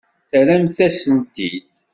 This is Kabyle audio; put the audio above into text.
Terramt-as-t-id.